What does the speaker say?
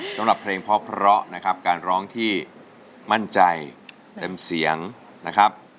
สำหรับเพลงเพราะนะครับการร้องที่มั่นใจเต็มเสียงนะครับ